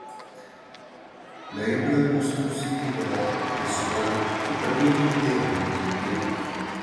La hembra busca un sitio para desovar que previamente habrán limpiado.